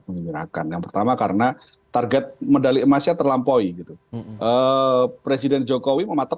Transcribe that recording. mengenakan yang pertama karena target medali emasnya terlampaui gitu presiden jokowi mematok